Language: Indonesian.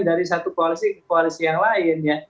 dari satu koalisi ke koalisi yang lain ya